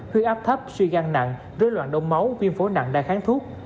huyết áp thấp suy gan nặng rơi loạn đông máu viêm phố nặng đa kháng thuốc